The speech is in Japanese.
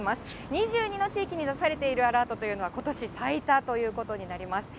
２２の地域に出されているアラートというのは、ことし最多ということになります。